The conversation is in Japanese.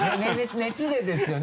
熱でですよね？